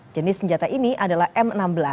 jenis senjata ini adalah m enam belas